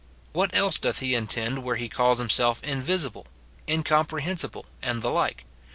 What else doth he intend where he calls himself invisible, incomprehensible and the like?